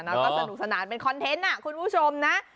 แล้วก็สนุกสนานเป็นคอนเทนต์คุณผู้ชมนะ